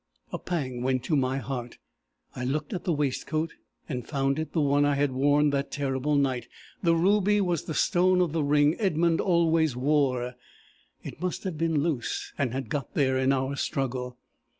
A pang went to my heart. I looked at the waistcoat, and found it the one I had worn that terrible night: the ruby was the stone of the ring Edmund always wore. It must have been loose, and had got there in our struggle.